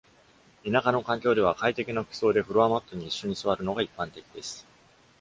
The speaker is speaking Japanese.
田舎の環境では、快適な服装でフロアマットに一緒に座るのが一般的です。